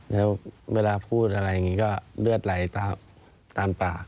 แล้วเวลาพูดอะไรอย่างนี้ก็เลือดไหลตามปาก